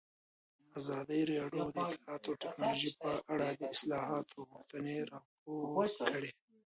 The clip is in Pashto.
ازادي راډیو د اطلاعاتی تکنالوژي په اړه د اصلاحاتو غوښتنې راپور کړې.